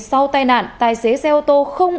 sau tai nạn tài xế xe ô tô không